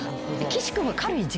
岸君は。